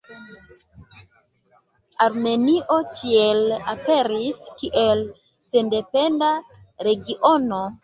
Armenio tiel aperis kiel sendependa regiono.